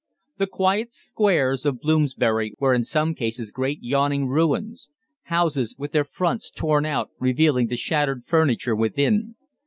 The quiet squares of Bloomsbury were in some cases great yawning ruins houses with their fronts torn out revealing the shattered furniture within.